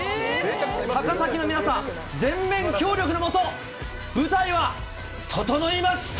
高崎の皆さん、全面協力の下、舞台は整いました。